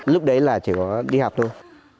lúc đấy là chỉ có đi học thôi